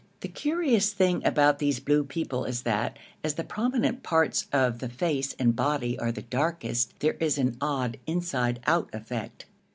The curious thing about these blue people is that, as the prominent parts of the face and body are the darkest, there is an odd inside out effect.